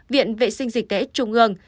viện vệ sinh dịch tế trung ương